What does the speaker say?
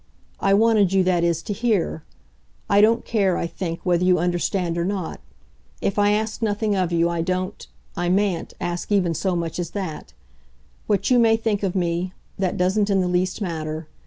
I wanted you, that is, to hear. I don't care, I think, whether you understand or not. If I ask nothing of you I don't I mayn't ask even so much as that. What you may think of me that doesn't in the least matter.